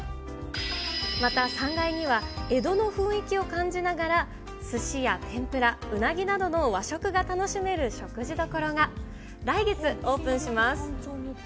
また３階には、江戸の雰囲気を感じながらすしや天ぷら、うなぎなどの和食が楽しめる食事どころが来月オープンします。